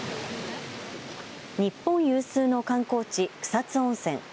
日本有数の観光地草津温泉。